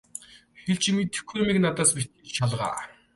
Хэлж мэдэхгүй юмыг надаас битгий шалгаа.